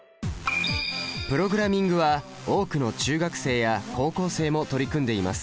プログラミングは多くの中学生や高校生も取り組んでいます。